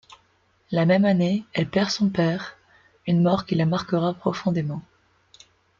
La même année, elle perd son père, une mort qui la marquera profondément.